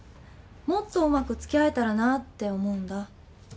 もっとうまくつきあえたらなって思うんだ。